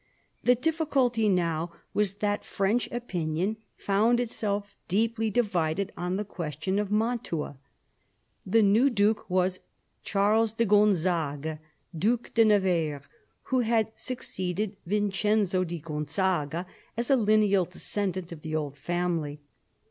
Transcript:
The difficulty now was that French opinion found itself deeply divided on the question of Mantua. The new Duke was Charles de Gonzague, Due de Nevers, who had succeeded Vincenzo di Gonzaga as a lineal descendant of the old family.